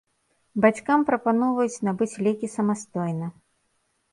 Бацькам прапаноўваюць набыць лекі самастойна.